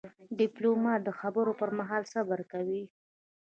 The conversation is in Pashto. ډيپلومات د خبرو پر مهال صبر کوي.